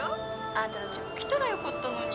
あんたたちも来たらよかったのに。